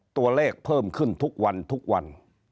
ตัวเลขเพิ่มขึ้นทุกวันทุกวัน